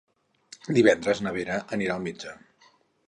Divendres na Vera anirà al metge.